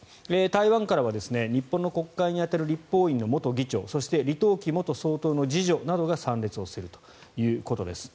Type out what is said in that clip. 台湾からは日本の国会に当たる立法院の元議長そして李登輝元総統の次女などが参列するということです。